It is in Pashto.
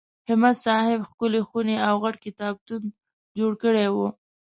همت صاحب ښکلې خونې او غټ کتابتون جوړ کړی و.